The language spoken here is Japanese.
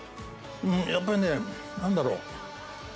やっぱりね何だろう。